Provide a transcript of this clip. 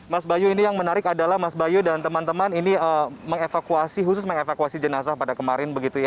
mas bayu ini yang menarik adalah mas bayu dan teman teman ini mengevakuasi khusus mengevakuasi jenazah pada kemarin